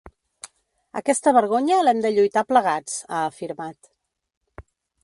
Aquesta vergonya l’hem de lluitar plegats, ha afirmat.